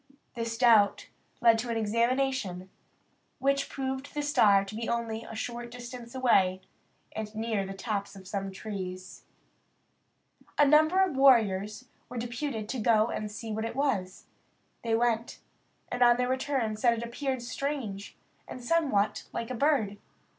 This doubt led to an examination, which proved the star to be only a short distance away, and near the tops of some trees. A number of warriors were deputed to go and see what it was. They went, and on their return said it appeared strange, and somewhat like a bird.